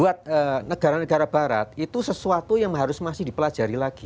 saya kasih contoh kalau negara negara barat itu sesuatu yang harus masih dipelajari lagi